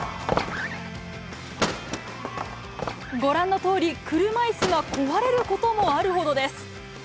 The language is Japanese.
ご覧のとおり、車いすが壊れることもあるほどです。